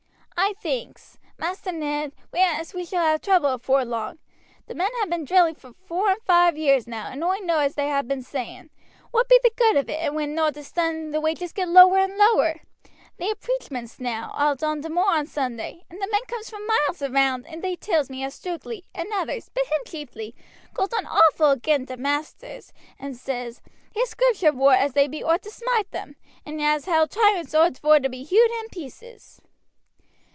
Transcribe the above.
"I thinks. Maister Ned, as we shall ha' trouble afore long. The men ha been drilling four or five years now, and oi know as they ha' been saying, What be the good of it when nowt is done and the wages gets lower and lower? They have preachments now out on t' moor on Sunday, and the men comes from miles round, and they tells me as Stukeley and others, but him chiefly, goes on awful agin t' maisters, and says, There's Scripture vor it as they owt to smite 'em, and as how tyrants owt vor to be hewed in pieces."